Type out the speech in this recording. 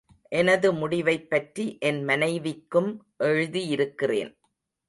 எனது முடிவைப் பற்றி என் மனைவிக்கும் எழுதியிருக்கிறேன்.